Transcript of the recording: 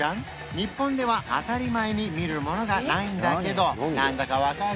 日本では当たり前に見るものがないんだけど何だか分かる？